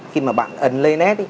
khi mà bạn ấn lấy nét